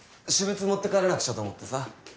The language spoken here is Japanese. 私物持って帰らなくちゃと思ってさ。